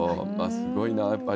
すごいな、やっぱり。